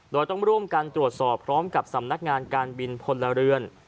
โดยต้องร่วมกันตรวจสอบพร้อมกับสำนักงานการบินพลเรือน